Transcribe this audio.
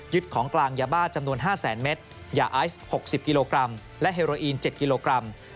ของกลางยาบ้าจำนวน๕แสนเมตรยาไอซ์๖๐กิโลกรัมและเฮโรอีน๗กิโลกรัม